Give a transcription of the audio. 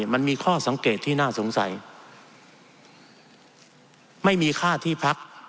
มันมีข้อสังเกตที่น่าสงสัยไม่มีค่าที่พัก